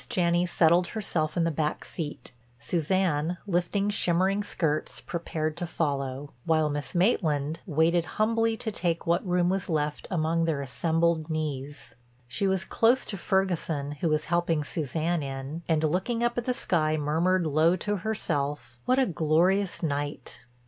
Janney settled herself in the back seat, Suzanne, lifting shimmering skirts, prepared to follow, while Miss Maitland waited humbly to take what room was left among their assembled knees. She was close to Ferguson who was helping Suzanne in, and looking up at the sky murmured low to herself: "What a glorious night!"